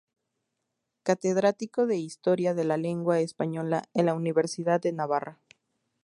Catedrático de Historia de la Lengua española en la Universidad de Navarra.